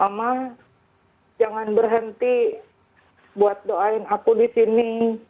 mama jangan berhenti buat doain aku di sini